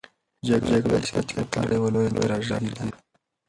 جګړه د بشریت لپاره یوه لویه تراژیدي ده.